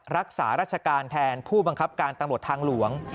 รักษาราชการแทนผู้บังคับการตำรวจทางหลวง